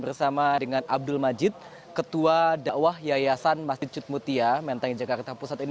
bersama dengan abdul majid ketua da'wah yayasan masjid jumatiyah mentengi jakarta pusat ini